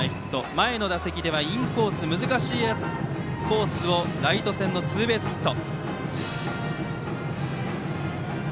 前の打席ではインコースの難しいコースをライト線のツーベースヒット。